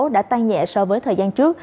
đã tăng nhẹ so với thời gian trước